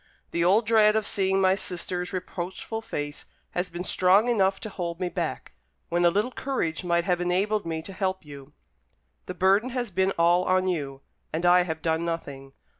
The old dread of seeing my sister's reproachful face has been strong enough to hold me back, when a little courage might have enabled me to help you. The burden has been all on you, and I have done nothing.